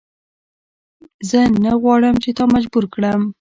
زه نه غواړم چې تا مجبور کړم.